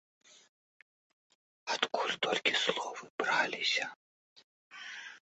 Адкуль толькі словы браліся!